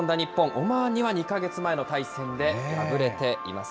オマーンには２か月前の対戦で敗れています。